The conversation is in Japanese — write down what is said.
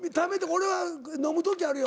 俺は飲む時あるよ